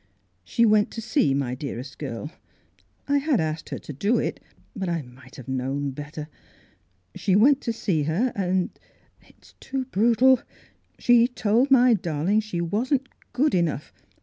She went to see my dearest girl — I had asked her to do it ; but I might have known better. She went to see her, and — and — it's too brutal — she told my darling that she wasn't good enough.